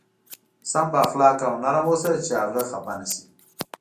سم با اخلاقه او نرم اوسه چې هغه خفه نه شي.